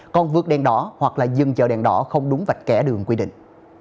còn vượt đèn đỏ hoặc dừng chở đèn đỏ không đúng vạch kẻ đường quy định